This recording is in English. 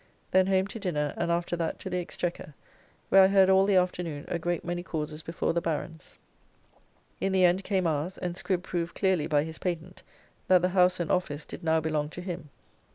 Then home to dinner, and after that to the Exchequer, where I heard all the afternoon a great many causes before the Barons; in the end came ours, and Squib proved clearly by his patent that the house and office did now belong to him.